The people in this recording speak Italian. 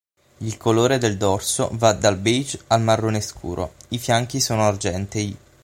Il colore del dorso va dal beige al marrone scuro, i fianchi sono argentei.